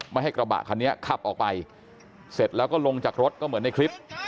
ไม่ให้กระบะคันนี้ขับออกไปเสร็จแล้วก็ลงจากรถก็เหมือนในคลิป